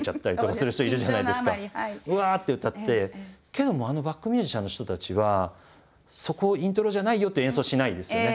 けどもあのバックミュージシャンの人たちはそこイントロじゃないよっていう演奏しないですよね。